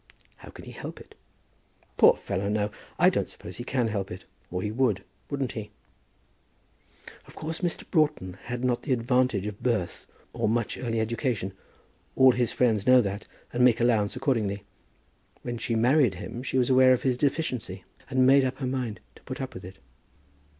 How can he help it?" "Poor fellow, no. I don't suppose he can help it, or he would; wouldn't he?" "Of course Mr. Broughton had not the advantage of birth or much early education. All his friends know that, and make allowance accordingly. When she married him, she was aware of his deficiency, and made up her mind to put up with it."